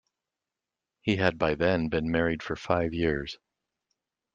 He had by then been married for five years.